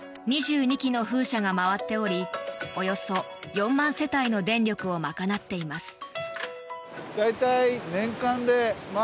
２２基の風車が回っておりおよそ４万世帯の電力を賄っています。